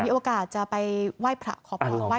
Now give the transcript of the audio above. เดี๋ยวมีโอกาสจะไปไหว้ขอพร